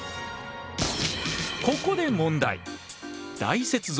ここで問題！